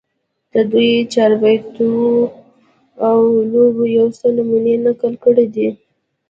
د دوي د چاربېتواو لوبو يو څو نمونې نقل کړي دي